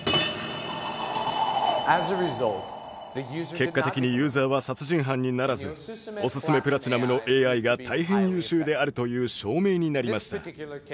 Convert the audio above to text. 結果的にユーザーは殺人犯にならずおすすめプラチナムのＡＩが大変優秀であるという証明になりました。